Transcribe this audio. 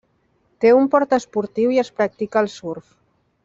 Té un port esportiu i es practica el surf.